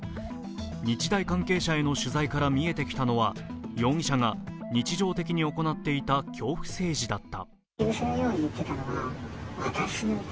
日大関係者への取材から見えてきたのは容疑者が日常的に行っていた恐怖政治だった。